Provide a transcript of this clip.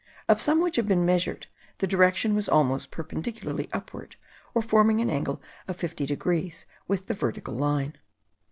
Of some which have been measured, the direction was almost perpendicularly upward, or forming an angle of 50 degrees with the vertical line.